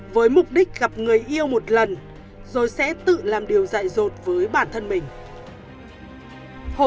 với mục đích gặp người yêu một lần rồi sẽ tự làm điều dại dột với bản thân mình